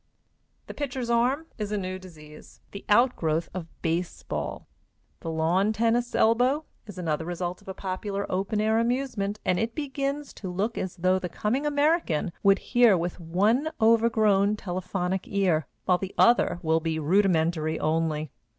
The pitcher's arm is a new disease, the outgrowth of base ball; the lawn tennis elbow is another result of a popular open air amusement, and it begins to look as though the coming American would hear with one overgrown telephonic ear, while the other will be rudimentary only.